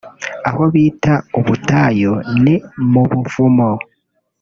Aho bita ‘ubutayu’ ni mu buvumo